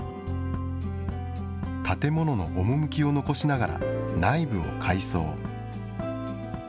建物の趣を残しながら内部を改装。